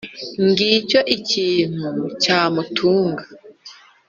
Ngicyo ikintu cyamutunga.